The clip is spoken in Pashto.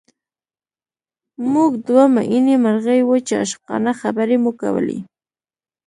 موږ دوه مئینې مرغۍ وو چې عاشقانه خبرې مو کولې